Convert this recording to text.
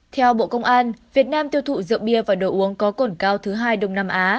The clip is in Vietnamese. theo bộ công an việt nam tiêu thụ rượu bia và đồ uống có cồn cao thứ hai đông nam á